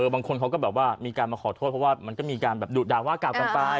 บางคนเขาก็แบบว่ามีการมาขอโทษเพราะว่ามันก็มีการแบบดุด่าว่ากลับกันไป